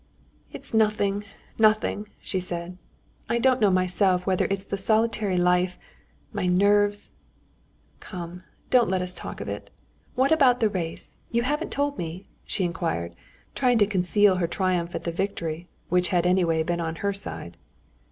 "It's nothing, nothing!" she said. "I don't know myself whether it's the solitary life, my nerves.... Come, don't let us talk of it. What about the race? You haven't told me!" she inquired, trying to conceal her triumph at the victory, which had anyway been on her side.